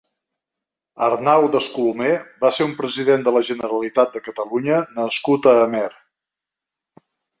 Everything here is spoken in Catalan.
Arnau Descolomer va ser un president de la Generalitat de Catalunya nascut a Amer.